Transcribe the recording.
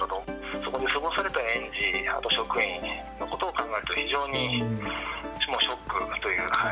そこで過ごされてる園児、あと職員のことを考えると、非常にショックという。